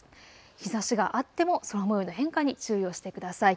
日ざしがあっても空もようの変化に注意をしてください。